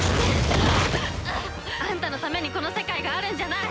あっ！あんたのためにこの世界があるんじゃない！